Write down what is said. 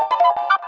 kau mau kemana